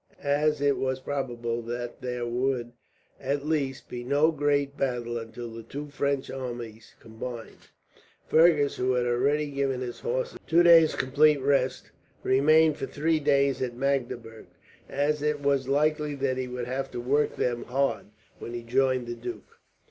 As it was probable that there would, at least, be no great battle until the two French armies combined, Fergus, who had already given his horses two days' complete rest, remained for three days at Magdeburg; as it was likely that he would have to work them hard, when he joined the duke.